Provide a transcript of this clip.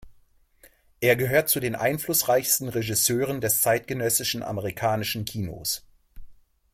Er gehört zu den einflussreichsten Regisseuren des zeitgenössischen amerikanischen Kinos.